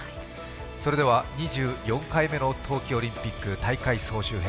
それでは２４回目の冬季オリンピック、大会総集